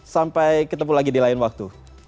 sampai ketemu lagi di lain waktu